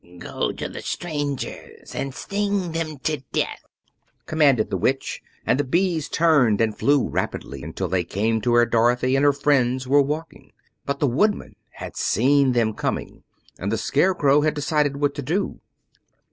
"Go to the strangers and sting them to death!" commanded the Witch, and the bees turned and flew rapidly until they came to where Dorothy and her friends were walking. But the Woodman had seen them coming, and the Scarecrow had decided what to do.